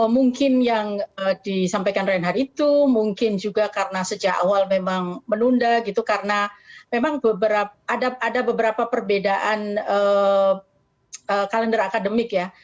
mungkin yang disampaikan reinhard itu mungkin juga karena sejak awal memang menunda gitu karena memang ada beberapa perbedaan kalender akademik ya